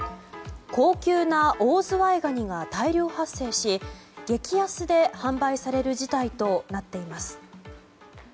高級なオオズワイガニが大量発生し激安で販売される事態となっています。